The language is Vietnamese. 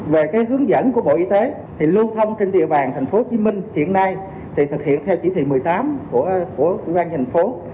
về cái hướng dẫn của bộ y tế thì lưu thông trên địa bàn tp hcm hiện nay thì thực hiện theo chỉ thị một mươi tám của quỹ ban thành phố